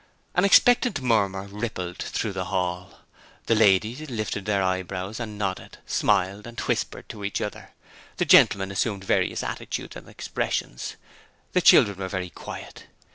An expectant murmur rippled through the hall. The ladies lifted their eyebrows and nodded, smiled and whispered to each other; the gentlemen assumed various attitudes and expressions; the children were very quiet.